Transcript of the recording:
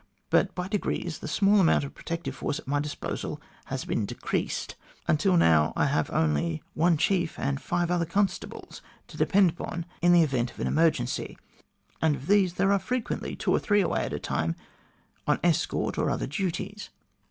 But by degrees the small amount of protective force at my disposal has been decreased, until now I have only one chief and five other constables to depend on in the event of an emergency, and of these there are frequently two or three away at a time on escort or other duties.